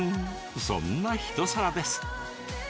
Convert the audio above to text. そんな一皿です。